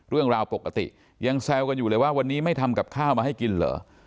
เรื่องราวปกติยังแซวกันอยู่เลยว่าวันนี้ไม่ทำกับข้าวมาให้กินเหรอ